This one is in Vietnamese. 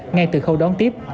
ngay từ khâu đón tiếp